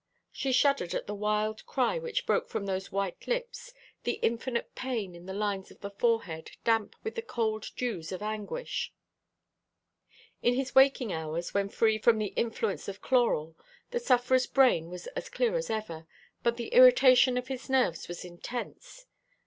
She shuddered at the wild cry which broke from those white lips, the infinite pain in the lines of the forehead, damp with the cold dews of anguish. In his waking hours, when free from the influence of chloral, the sufferer's brain was as clear as ever; but the irritation of his nerves was intense.